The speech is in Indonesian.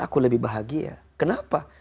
aku lebih bahagia kenapa